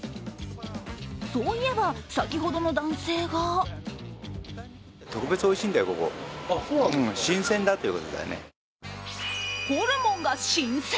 そういえば先ほどの男性がホルモンが新鮮？